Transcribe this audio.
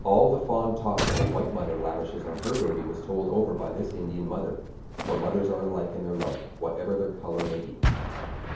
All the fond talk that a white mother lavishes on her baby was told over by this Indian mother; for mothers are alike in their love, whatever their color may be.